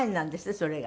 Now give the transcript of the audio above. それが。